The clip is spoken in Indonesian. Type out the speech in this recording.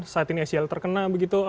saat ini scl terkena begitu